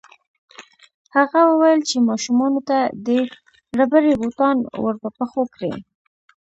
هغه وویل چې ماشومانو ته دې ربړي بوټان ورپه پښو کړي